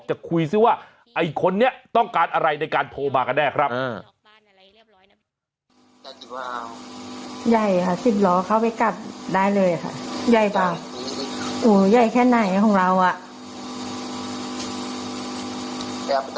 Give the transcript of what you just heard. จะคุยซิว่าไอ้คนนี้ต้องการอะไรในการโทรมากันแน่ครับ